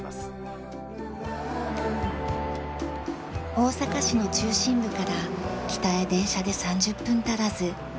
大阪市の中心部から北へ電車で３０分足らず。